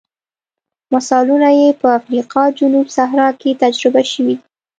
مثالونه یې په افریقا جنوب صحرا کې تجربه شوي دي.